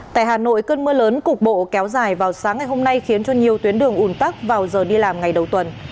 tại hà nội cơn mưa lớn cục bộ kéo dài vào sáng ngày hôm nay khiến cho nhiều tuyến đường ủn tắc vào giờ đi làm ngày đầu tuần